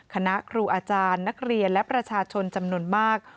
คณะครูอาจารย์นักเรียนและประชาชนจำนวนมาก